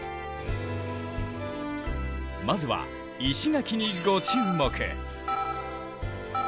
まずは石垣にご注目！